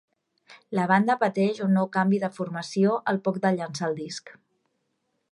La banda pateix un nou canvi de formació al poc de llençar el disc.